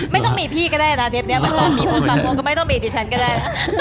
ไม่ต้องมีพี่ก็ได้นะเทปนี้เวลามีเพื่อนบางคนก็ไม่ต้องมีดิฉันก็ได้นะ